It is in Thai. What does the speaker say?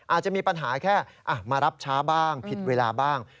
อาจจะมีปัญหาแค่มารับช้าบ้างผิดเวลาบ้าง